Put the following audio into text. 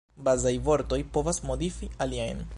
Bazaj vortoj povas modifi aliajn.